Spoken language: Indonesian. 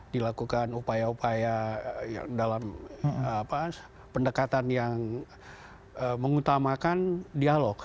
dilakukan upaya upaya dalam pendekatan yang mengutamakan dialog